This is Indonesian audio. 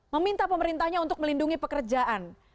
meminta pemerintahnya untuk melindungi pekerjaan